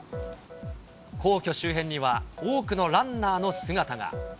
皇居周辺には多くのランナーの姿が。